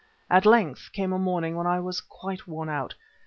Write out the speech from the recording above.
At length came a morning when I was quite worn out.